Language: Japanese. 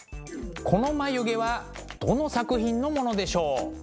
この眉毛はどの作品のものでしょう？